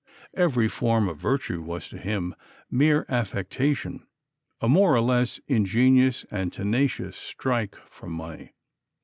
Every form of virtue was to him mere affectation, a more or less ingenious and tenacious "strike" for money.